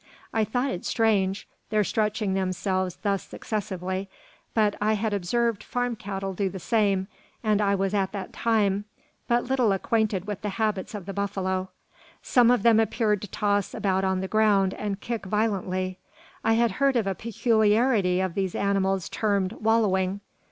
I thought it strange, their stretching themselves thus successively; but I had observed farm cattle do the same, and I was at that time but little acquainted with the habits of the buffalo. Some of them appeared to toss about on the ground and kick violently. I had heard of a peculiarity of these animals termed "wallowing."